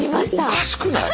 おかしくない？